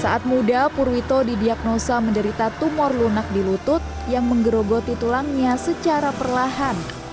saat muda purwito didiagnosa menderita tumor lunak di lutut yang menggerogoti tulangnya secara perlahan